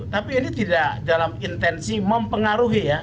tapi ini tidak dalam intensi mempengaruhi ya